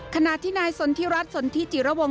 ขณะที่นายสนทิรัฐสนทิจิระวง